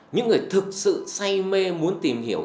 những người thực sự say mê muốn tìm hiểu